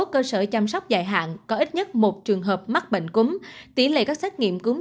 cơ sở chăm sóc dài hạn có ít nhất một trường hợp mắc bệnh cúng tỷ lệ các xét nghiệm cúng